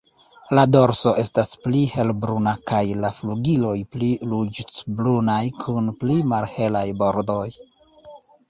La dorso estas pli helbruna kaj la flugiloj pli ruĝecbrunaj kun pli malhelaj bordoj.